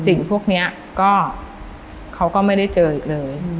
สิ่งพวกนี้ก็เขาก็ไม่ได้เจออีกเลย